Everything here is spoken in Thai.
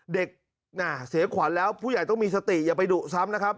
เด็กน่ะเสียขวัญแล้วผู้ใหญ่ต้องมีสติอย่าไปดุซ้ำนะครับ